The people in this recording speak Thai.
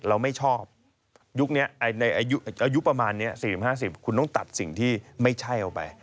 เราไม่ชอบยุคนี้ในอายุประมาณนี้๔๐๕๐คุณต้องตัดสิ่งที่ไม่ใช่ออกไป